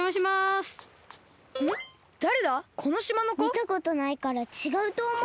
みたことないからちがうとおもう。